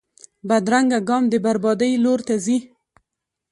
بدرنګه ګام د بربادۍ لور ته ځي